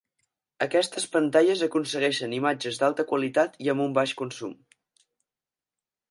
Aquestes pantalles aconsegueixen imatges d'alta qualitat i amb un baix consum.